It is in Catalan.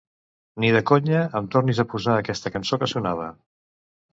Ni de conya em tornis a posar aquesta cançó que sonava.